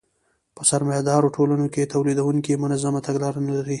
په سرمایه داري ټولنو کې تولیدونکي منظمه تګلاره نلري